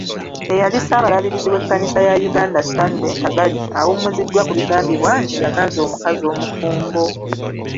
Eyali Ssaabalabirizi w'Ekkanisa ya Uganda, Stanely Ntagali, awummuziddwa ku bigambibwa nti yaganza omukazi omufumbo.